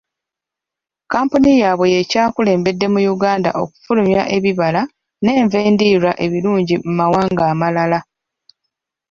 kkampuni yaabwe ye kyakulembedde mu Uganda okufulumya ebibala n'enva endiirwa ebirungi mu mawanga amalala.